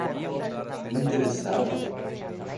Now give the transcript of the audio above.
interessado